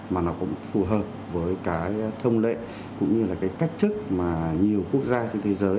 mà nó cũng phù hợp với cái thông lệ cũng như là cái cách thức mà nhiều quốc gia trên thế giới